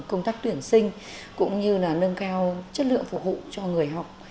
công tác tuyển sinh cũng như là nâng cao chất lượng phục vụ cho người học